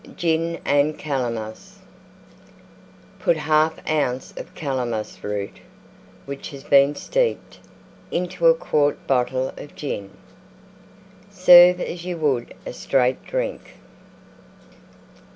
GIN AND CALAMUS Put 1/2 oz. of Calamus Root, which has been steeped, into a quart bottle of Gin. Serve as you would a Straight Drink.